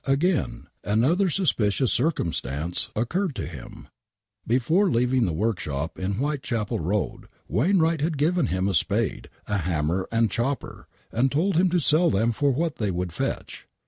Again, another suspicious circumstance occurred to him, before leaving the workshop in Whitechapel Koad Wainwright had given him a spade, a hammer and chopper, and told him to sell them for what they would fetch.